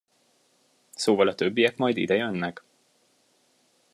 Szóval a többiek majd idejönnek?